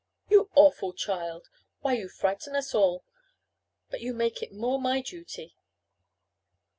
"You awful child. Why, you'll frighten us all. But you make it the more my duty.